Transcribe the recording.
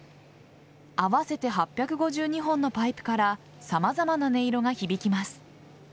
合わせて８５２本のパイプから様々な音色が響きます。